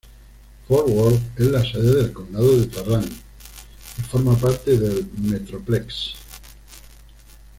Fort Worth es la sede del Condado de Tarrant y forma parte del Metroplex.